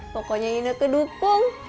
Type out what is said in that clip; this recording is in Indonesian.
pokoknya ini kedukung